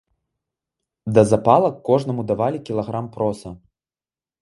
Да запалак кожнаму давалі кілаграм проса.